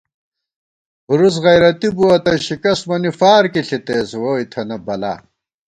ہُرُوس غیرَتی بُوَہ تہ شِکَست مَنی فارکی ݪِتېس ووئی تھنہ بلا